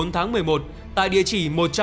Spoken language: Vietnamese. một mươi bốn tháng một mươi một tại địa chỉ